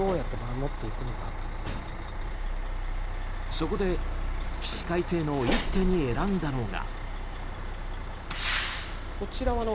そこで起死回生の一手に選んだのが。